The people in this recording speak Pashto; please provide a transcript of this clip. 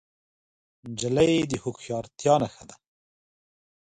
نجلۍ د هوښیارتیا نښه ده.